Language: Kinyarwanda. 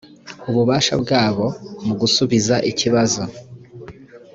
ububasha byabo mu gusubiza ikibazo